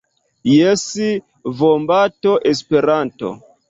Jes, vombato Esperante.